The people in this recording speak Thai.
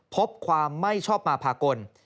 พบความไม่ชอบมาพากล